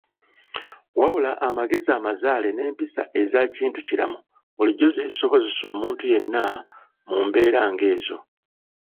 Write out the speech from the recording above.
Wabula amagezi amazaale n’empisa ez’akintukiramu bulijjo ze zisobesa omuntu yenna mu mbeera ng’ezo.